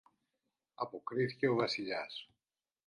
αποκρίθηκε ο Βασιλιάς.